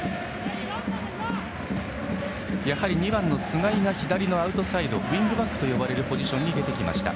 やはり２番の須貝が左のアウトサイドウイングバックと呼ばれるポジションに入ってきました。